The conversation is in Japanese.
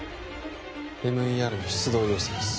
ＭＥＲに出動要請です